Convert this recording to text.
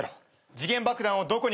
時限爆弾をどこに隠した？